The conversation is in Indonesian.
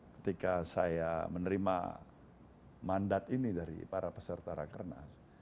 ketika saya menerima mandat ini dari para peserta rakernas